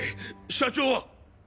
社長は？